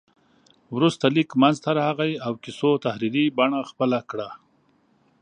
وروسته لیک منځته راغی او کیسو تحریري بڼه خپله کړه.